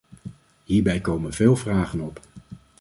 Hierbij komen veel vragen op.